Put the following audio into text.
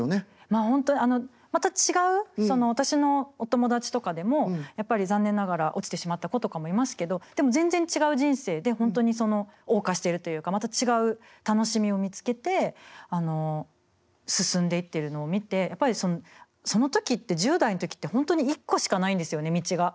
まあ本当にまた違う私のお友達とかでもやっぱり残念ながら落ちてしまった子とかもいますけどでも全然違う人生で本当にそのおう歌しているというかまた違う楽しみを見つけて進んでいってるのを見てやっぱりその時って１０代の時って本当に１個しかないんですよね道が。